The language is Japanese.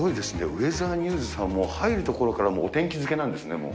ウェザーニューズさん、入るところからお天気漬けなんですね。